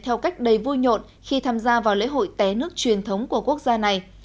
theo cách đầy vui nhộn khi tham gia vào lễ hội té nước truyền thống của quốc gia này